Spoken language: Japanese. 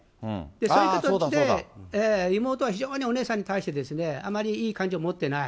そういう形で、妹は非常にお姉さんに対して、あまりいい感情を持ってない。